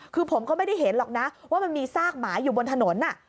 คือผมก็ไม่ได้เห็นหรอกนะว่ามันมีซากหมาอยู่บนถนน